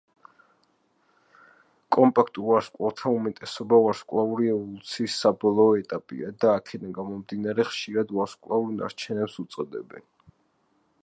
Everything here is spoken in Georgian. კომპაქტურ ვარსკვლავთა უმეტესობა ვარსკვლავური ევოლუციის საბოლოო ეტაპია და, აქედან გამომდინარე, ხშირად ვარსკვლავურ ნარჩენს უწოდებენ.